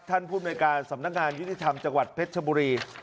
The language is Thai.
ท่านผู้โมยการสำนักงานยุทธิธรรมจังหวัดเพชรบุรี